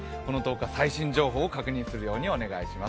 最新情報確認するようお願いします。